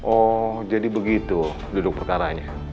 oh jadi begitu duduk perkaranya